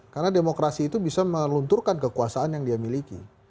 karena demokrasi itu bisa melunturkan kekuasaan yang dia miliki